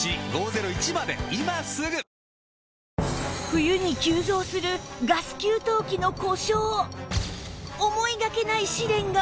冬に急増するガス給湯器の故障